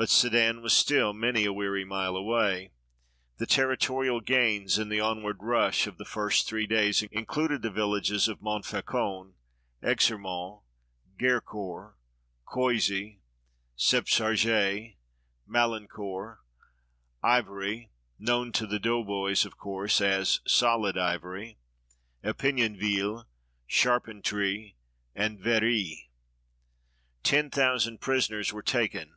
But Sedan was still many a weary mile away. The territorial gains in the onward rush of the first three days included the villages of Montfaucon, Exermont, Gercourt, Cuisy, Septsarges, Malancourt, Ivoiry (known to the doughboys, of course, as Solid Ivory), Epinonville, Charpentry, and Very. Ten thousand prisoners were taken.